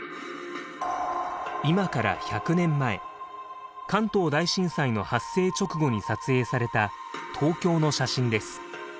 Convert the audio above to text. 今から１００年前関東大震災の発生直後に撮影された東京の写真です。